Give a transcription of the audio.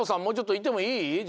もうちょっといてもいい？